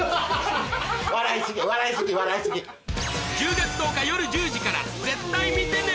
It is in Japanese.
１０月１０日夜１０時から絶対見てね！